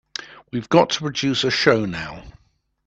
We've got to produce a show now.